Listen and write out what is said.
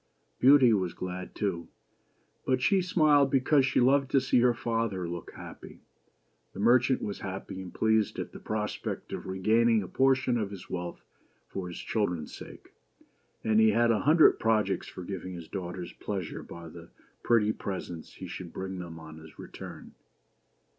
Beauty was glad too ; but she smiled because she loved to see her father look happy. The merchant was happy and pleased at the prospect of re gaining a portion of his wealth for his children's sake ; and BEAUTY'S MODEST REQUEST. he had a hundred projects for giving his daughters pleasure by the pretty presents he should bring them on his return.